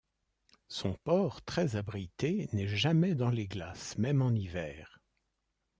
Son port, très abrité, n'est jamais dans les glaces, même en hiver.